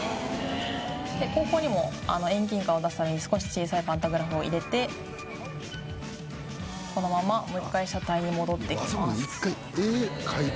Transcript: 後方にも遠近感を出すために少し小さいパンタグラフを入れてこのままもう一回車体に戻っていきます。